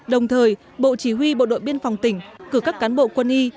đồng thời bộ chỉ huy bộ đội biên phòng tỉnh cử các cán bộ quân y